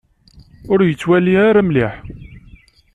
Ur yettwali ara mliḥ.